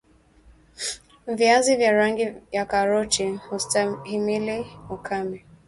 viazi vya rangi ya karoti hustahimili ukame